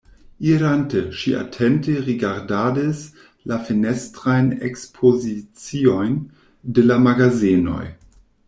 Irante, ŝi atente rigardadis la fenestrajn ekspoziciojn de la magazenoj.